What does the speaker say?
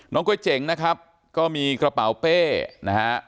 ก๋วยเจ๋งนะครับก็มีกระเป๋าเป้นะฮะ